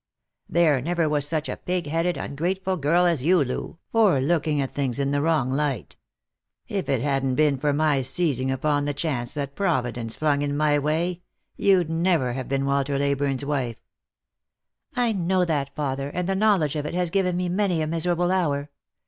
There never was such a pigheaded, ungrateful girl as yon, Loo, for looking at things in the wrong light. If it badn't been for my seizing upon the chance that Providence Lost for Love. 349 flung in my way, you'd never have been Walter Leyburne's wife !"" I know that, father, and the knowledge of it has given me many a miserable hour.